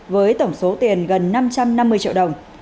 với tổng số tiền gần năm trăm năm mươi triệu đồng